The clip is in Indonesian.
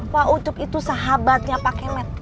waucup itu sahabatnya pak kemet